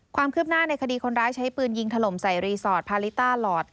ความคืบหน้าในคดีคนร้ายใช้ปืนยิงถล่มใส่รีสอร์ทพาลิต้าหลอด